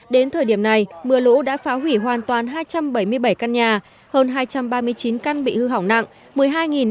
đến thời điểm này mưa lũ đã phá hủy hoàn toàn hai trăm bảy mươi bảy căn nhà hơn hai trăm ba mươi chín căn bị hư hỏng nặng